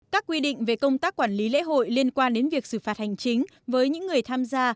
các quy định về công tác quản lý lễ hội liên quan đến việc xử phạt hành chính với những người tham gia